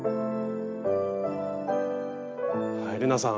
はい玲奈さん。